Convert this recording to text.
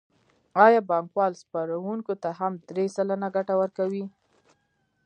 آیا بانکوال سپارونکو ته هم درې سلنه ګټه ورکوي